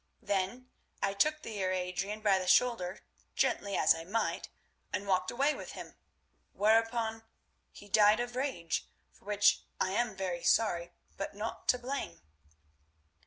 Then I took the Heer Adrian by the shoulder, gently as I might, and walked away with him, whereupon he died of rage, for which I am very sorry but not to blame."